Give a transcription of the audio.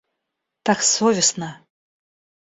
Так совестно!